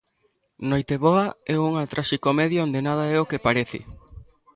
'Noiteboa' é unha traxicomedia onde nada é o que parece.